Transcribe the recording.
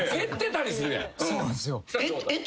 そうなんすよ。